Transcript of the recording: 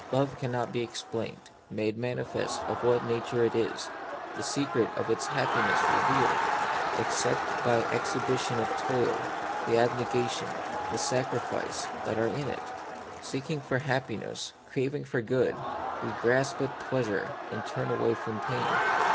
Love cannot be explained, made manifest of what nature it is, the secret of its happiness revealed, except by an exhibition of the toil, the abnegation, the sacrifice, that are in it. Seeking for hap piness, craving for good, we grasp at pleasure and turn away from pain.